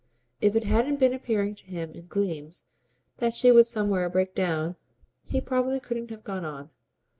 If it hadn't been appearing to him in gleams that she would somewhere break down, he probably couldn't have gone on.